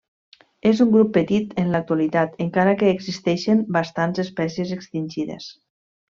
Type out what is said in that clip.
És un grup petit en l'actualitat, encara que existeixen bastants espècies extingides.